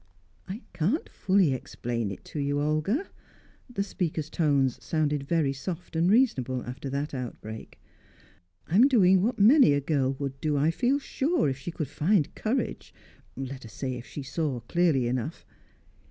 "I can't fully explain it to you, Olga." The speaker's tones sounded very soft and reasonable after that outbreak. "I am doing what many a girl would do, I feel sure, if she could find courage let us say, if she saw clearly enough.